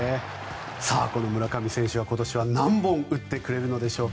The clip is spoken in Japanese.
村上選手は今年は何本打ってくれるのでしょうか。